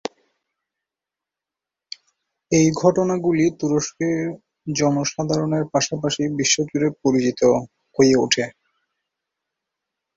এই ঘটনাগুলি তুরস্কে জনসাধারণের পাশাপাশি বিশ্বজুড়ে পরিচিত হয়ে ওঠে।